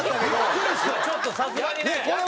ちょっとさすがにね。